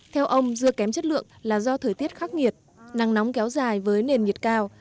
theo ông dưa kém chất lượng là do thời tiết khắc nghiệt nắng nóng kéo dài với nền nhiệt cao